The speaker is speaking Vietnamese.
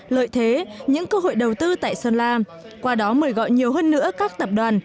lợi thế những cơ hội đầu tư tại sơn la qua đó mời gọi nhiều hơn nữa các tập đoàn